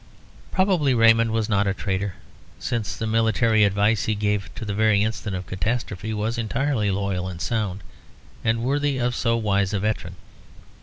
Probably Raymond was not a traitor, since the military advice he gave up to the very instant of catastrophe was entirely loyal and sound, and worthy of so wise a veteran.